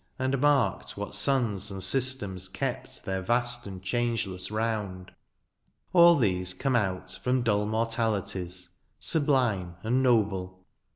And marked what suns and systems kept Their vast and changeless round ; all these Come out from dull mortalities Sublime and noble.